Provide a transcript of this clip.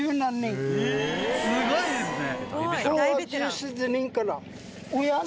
すごいですね！